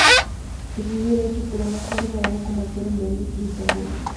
Estudió derecho, pero más tarde trabajó como actor en Berlín y Estrasburgo.